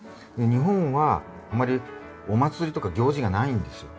日本はあんまりお祭りとか行事がないんですよ。